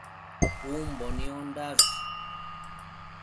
Umbo niondash